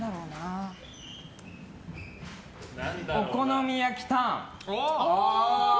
お好み焼きターン。